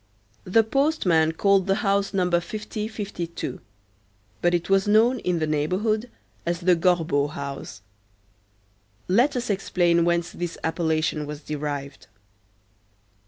The postmen called the house Number 50 52; but it was known in the neighborhood as the Gorbeau house. Let us explain whence this appellation was derived.